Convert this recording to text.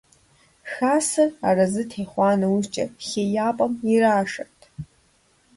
Хасэр арэзы техъуа нэужькӀэ хеяпӀэм ирашэрт.